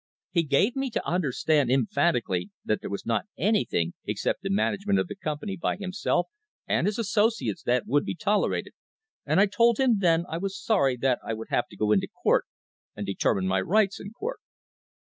... He gave me to understand em phatically that there was not anything except the management of the company by himself and his associates that would be tolerated, and 1 told him then 1 was sorry that I would have to go into court and determine my rights in court.